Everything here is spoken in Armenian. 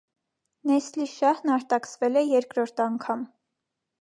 Նեսլիշահն արտաքսվել է երկրորդ անգամ։